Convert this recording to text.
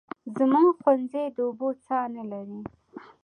زموږ ښوونځی د اوبو څاه نلري